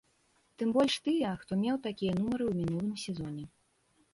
Тым больш тыя, хто меў такія нумары ў мінулым сезоне.